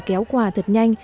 kéo quà thật nhanh